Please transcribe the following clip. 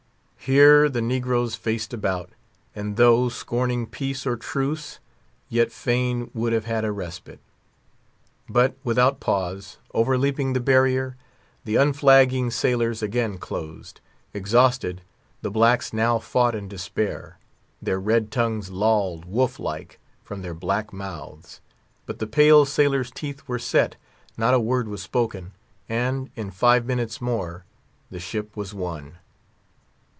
Here the negroes faced about, and though scorning peace or truce, yet fain would have had respite. But, without pause, overleaping the barrier, the unflagging sailors again closed. Exhausted, the blacks now fought in despair. Their red tongues lolled, wolf like, from their black mouths. But the pale sailors' teeth were set; not a word was spoken; and, in five minutes more, the ship was won.